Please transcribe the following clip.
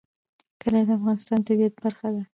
کلي د افغانستان د طبیعت برخه ده.